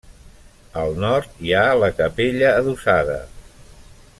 Al nord hi ha la capella adossada.